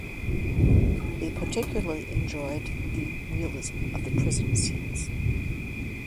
They particularly enjoyed the realism of the prison scenes.